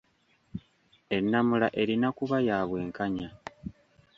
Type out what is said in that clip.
Ennamula erina kuba ya bwenkanya.